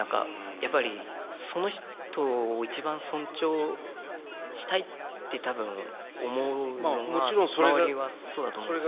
やっぱりその人を一番尊重したいって多分思うのが周りはそうだと思うんですよね。